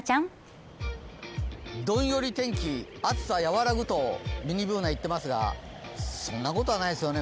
どんより天気、暑さ和らぐとミニＢｏｏｎａ言っていますが、そんなことはないですよね。